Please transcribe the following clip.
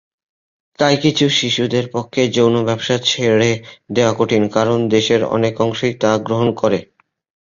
তাই কিছু শিশুদের পক্ষে যৌন ব্যবসা ছেড়ে দেওয়া কঠিন, কারণ দেশের অনেক অংশই তা গ্রহণ করে।